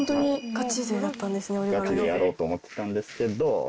ガチでやろうと思ってたんですけど。